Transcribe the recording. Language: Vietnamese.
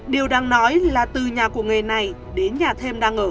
điều đang nói là từ nhà của người này đến nhà thêm đang ở gần năm km